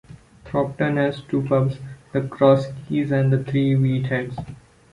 Thropton has two pubs: the Cross Keys and the Three Wheat Heads.